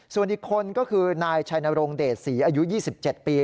ส่วนอีกคนก็คือนายชัยนรงเดชศรีอายุ๒๗ปี